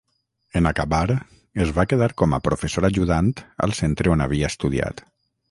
En acabar, es va quedar com a professor ajudant al centre on havia estudiat.